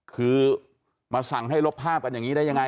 คือมาสั่งให้ลบภาพกันอย่างนี้ได้ยังไง